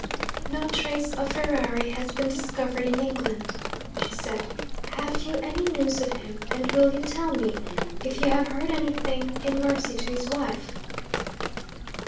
'No trace of Ferrari has been discovered in England,' she said. 'Have you any news of him? And will you tell me (if you have heard anything), in mercy to his wife?'